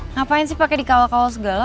ngapain sih pake dikawal kawal segala